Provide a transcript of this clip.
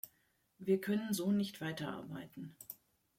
Wir können so nicht weiterarbeiten.